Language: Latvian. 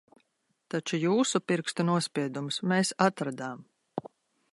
Taču jūsu pirkstu nospiedumus mēs atradām.